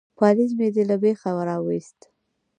_پالېز مې دې له بېخه را وايست.